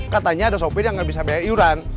katanya ada sopir yang nggak bisa bayar iuran